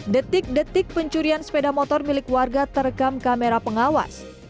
detik detik pencurian sepeda motor milik warga terekam kamera pengawas